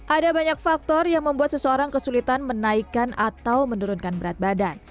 ada banyak faktor yang membuat seseorang kesulitan menaikkan atau menurunkan berat badan